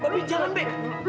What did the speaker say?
lu lu be